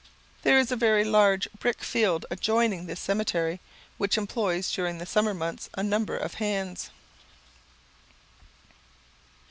There is a very large brick field adjoining this cemetery, which employs during the summer months a number of hands.